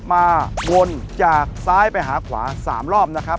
มาวนจากซ้ายไปหาขวา๓รอบนะครับ